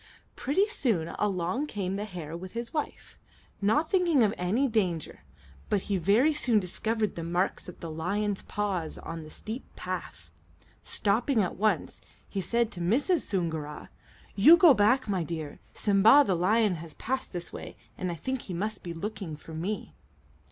Pretty soon along came the hare with his wife, not thinking of any danger; but he very soon discovered the marks of the lion's paws on the steep path. Stopping at once, he said to Mrs. Soongoora: "You go back, my dear. Simba, the lion, has passed this way, and I think he must be looking for me."